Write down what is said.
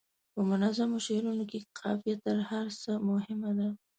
په منظومو شعرونو کې قافیه تر هر څه مهمه ده.